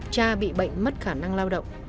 cha bị bệnh mất khả năng lao động